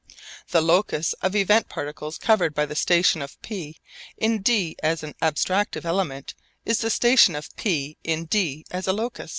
The locus of event particles covered by the station of P in d as an abstractive element is the station of P in d as a locus.